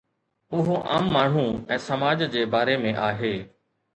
اهو عام ماڻهو ۽ سماج جي باري ۾ آهي.